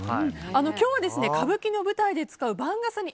今日は、歌舞伎の舞台で使う番傘に